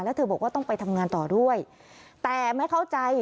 แล้วเธอบอกว่าต้องไปทำงานต่อด้วยแต่ไม่เข้าใจ